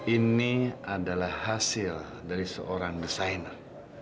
ini adalah hasil dari seorang desainer